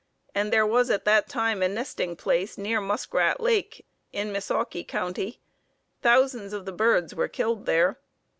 and there was at that time a nesting place near Muskrat Lake in Missaukee County. Thousands of the birds were killed there.